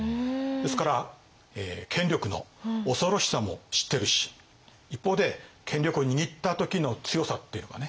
ですから権力の恐ろしさも知ってるし一方で権力を握った時の強さっていうのかね